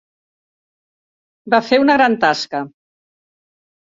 Va fer una gran tasca.